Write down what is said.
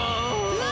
うわ！